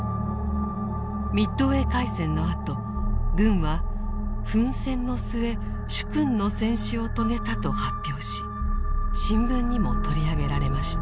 ミッドウェー海戦のあと軍は奮戦の末殊勲の戦死を遂げたと発表し新聞にも取り上げられました。